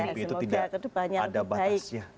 semoga kedepannya lebih baik